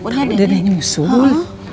iya udah nyusul